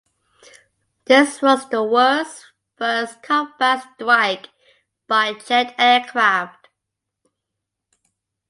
This was the world's first combat strike by jet aircraft.